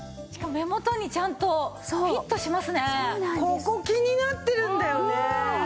ここ気になってるんだよね。